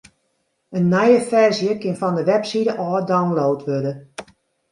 In nije ferzje kin fan de webside ôf download wurde.